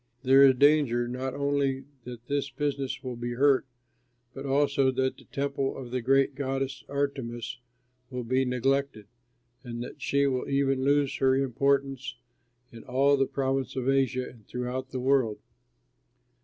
There is danger not only that this business will be hurt, but also that the temple of the great goddess Artemis will be neglected, and that she will even lose her importance in all the province of Asia and throughout the world."